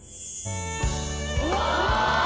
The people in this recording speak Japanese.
うわ！